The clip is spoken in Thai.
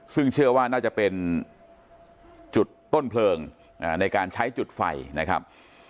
ซึ่งเชื่อว่าน่าจะเป็นจุดต้นเพลิงในการใช้จุดไฟนะครับ